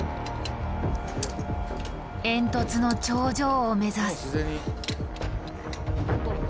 煙突の頂上を目指す。